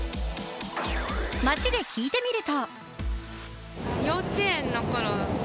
街で聞いてみると。